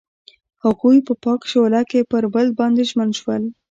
هغوی په پاک شعله کې پر بل باندې ژمن شول.